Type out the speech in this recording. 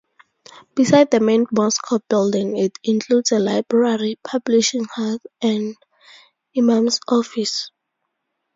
Besides the main mosque building it includes a library, publishing house and Imam's office.